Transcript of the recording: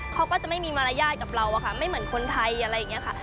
เขาก็จะไม่มีมารยาทกับเราอะค่ะไม่เหมือนคนไทยอะไรอย่างนี้ค่ะ